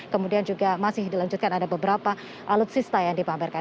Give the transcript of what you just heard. kemudian juga masih dilanjutkan ada beberapa alutsista yang dipamerkan